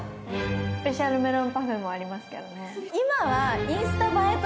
スペシャルメロンパフェもありますけどね。